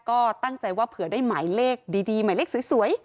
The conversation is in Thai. ก็ตั้งใจว่าเผื่อได้หมายเลขดีหมายเลขสวย